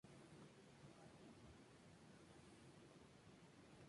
Hijo de Juan Alonso Girón y de Urraca Gallina.